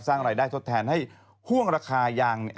สร้างรายได้ทดแทนให้ห่วงราคายาง